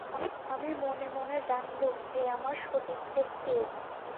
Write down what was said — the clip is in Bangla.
আমি মনে মনে জানলুম, এ আমার সতীত্বের তেজ।